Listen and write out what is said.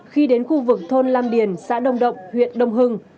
khi đến khu vực thôn lam điền xã đông động huyện đông hưng